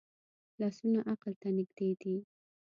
لاسونه عقل ته نږدې دي